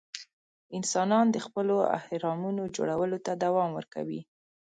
انسانان د خپلو اهرامونو جوړولو ته دوام ورکوي.